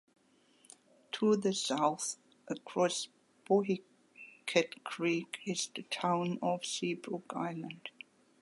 To the south across Bohicket Creek is the town of Seabrook Island.